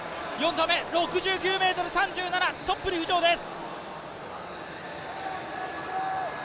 スタール、４投目、６９ｍ３７でトップに浮上です。